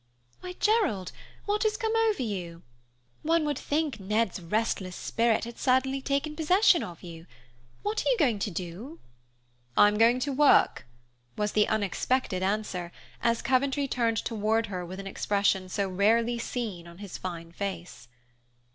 "Why, Gerald, what has come over you? One would think Ned's restless spirit had suddenly taken possession of you. What are you going to do?" "I'm going to work" was the unexpected answer, as Coventry turned toward her with an expression so rarely seen on his fine face.